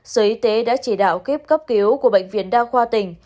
sở y tế đã chỉ đạo kiếp cấp cứu của bệnh viện đa khoa tỉnh